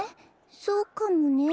そうかもね。